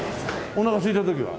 おなかすいた時は？